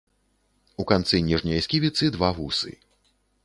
У канцы ніжняй сківіцы два вусы.